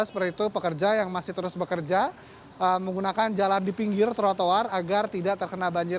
seperti itu pekerja yang masih terus bekerja menggunakan jalan di pinggir trotoar agar tidak terkena banjir